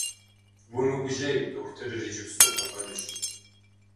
Умыгужьэй, дохутыр иджыпсту къэкӏуэнущ.